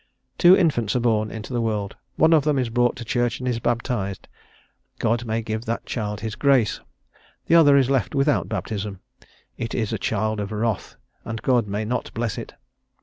Two infants are born into the world; one of them is brought to church and is baptized; God may give that child his grace: the other is left without baptism; it is a child of wrath, and God may not bless it.